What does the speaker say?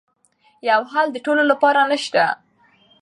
یو حل د ټولو لپاره نه شته.